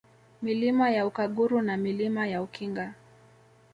Milima ya Ukaguru na Milima ya Ukinga